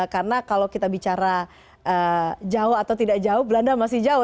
karena kalau kita bicara jauh atau tidak jauh belanda masih jauh